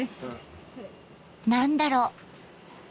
何だろう。